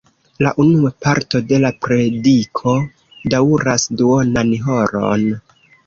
La unua parto de la prediko daŭras duonan horon.